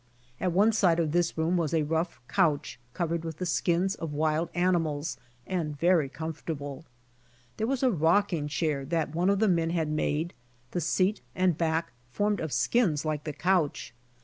At one side of this room was a rough couch covered with the skins of wild animals and very comfortable. There was a rocking chair that one of the men had made, the seat and back formed of skins like the couch.